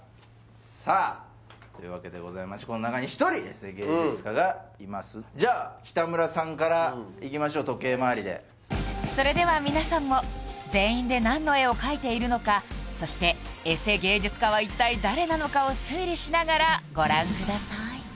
さあというわけでございましてこの中にじゃあ北村さんからいきましょう時計回りでそれでは皆さんも全員で何の絵を描いているのかそしてエセ芸術家は一体誰なのかを推理しながらご覧ください